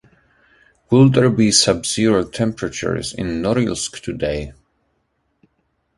Will there be sub-zero temperatures in Norilsk today?